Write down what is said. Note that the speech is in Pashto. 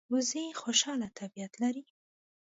وزې خوشاله طبیعت لري